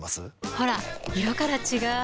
ほら色から違う！